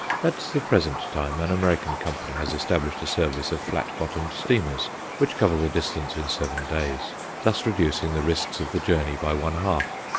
At the present time, an American company has established a service of flat bottomed steamers which cover the distance in seven days, thus reducing the risks of the journey by one half.